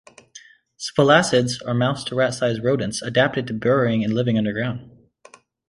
Spalacids are mouse- to rat-sized rodents, adapted to burrowing and living underground.